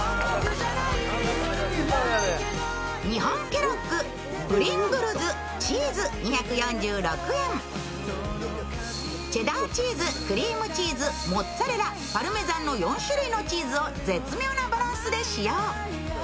ピンクのフローラル出たチェダーチーズ、クリームチーズモッツァレラ、パルメザンの４種類のチーズを絶妙なバランスで使用。